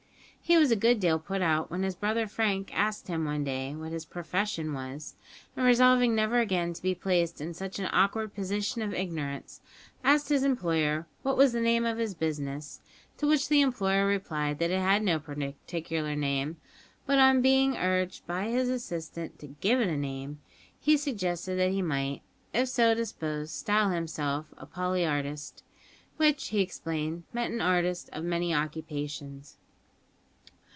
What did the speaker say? He was a good deal put out when his brother Frank asked him one day what his "profession" was, and resolving never again to be placed in such an awkward position of ignorance, asked his employer what was the name of his business, to which the employer replied that it had no particular name; but, on being urged by his assistant to give it a name, he suggested that he might, if so disposed, style himself a poly artist, which, he explained, meant an artist of many occupations.